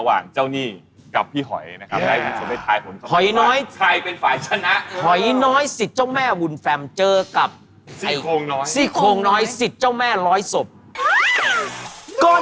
ครั้งนี้ครับคุณผู้ชมครับครับครั้งนี้ครับคุณผู้ชมครับคุณผู้ชมครับทุกคน